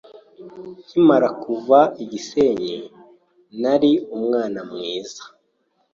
Nkimara kuva I gisenyi nari umwana mwiza